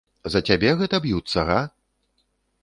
За цябе гэта б'юцца, га?